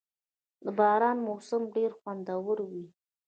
• د باران موسم ډېر خوندور وي.